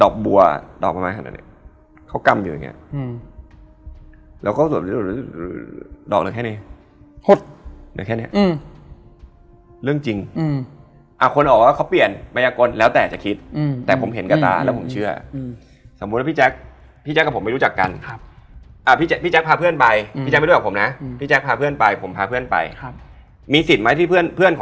โก๊ะเนี่ยจะเป็นคนที่ชอบพูดไปเรื่อย